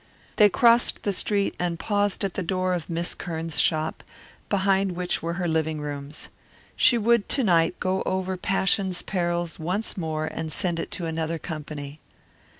They crossed the street and paused at the door of Miss Kearns' shop, behind which were her living rooms. She would to night go over Passion's Perils once more and send it to another company.